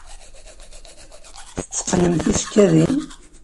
Tetteqqnem tisekkadin?